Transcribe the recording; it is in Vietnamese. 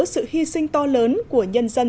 sự hy sinh to lớn của nhân dân